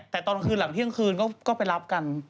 แต่ตอนคืนหลังเที่ยงคืนก็ไปรับกัน